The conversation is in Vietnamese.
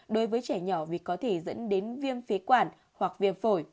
đối với trẻ nhỏ vì có thể dẫn đến viêm phế quản hoặc viêm phổi